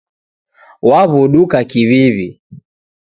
Waw'uduka kiw'iw'i